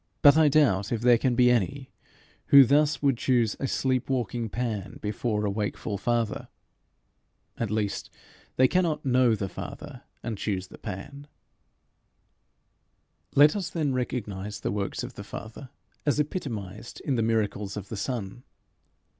But I doubt if there can be any who thus would choose a sleep walking Pan before a wakeful Father. At least, they cannot know the Father and choose the Pan. Let us then recognize the works of the Father as epitomized in the miracles of the Son.